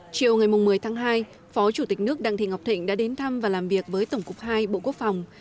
chiều ngày một mươi tháng hai phó chủ tịch nước đặng thị ngọc thịnh đã đến thăm và làm việc với tổng cục hai bộ quốc phòng